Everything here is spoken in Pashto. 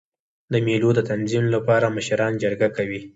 د مېلو د تنظیم له پاره مشران جرګه کوي.